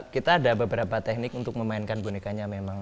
kita ada beberapa teknik untuk memainkan bonekanya memang